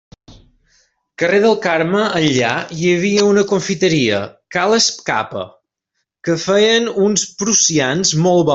Carrer del Carme enllà hi havia una confiteria, ca l'Escapa, que feien uns prussians molt bons.